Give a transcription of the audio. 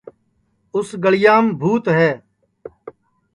اُس گݪیام بھوت ہے